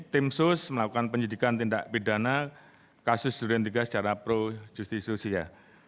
tim sus melakukan penyidikan tindak pidana kasus jurnal tiga secara pro justisiusia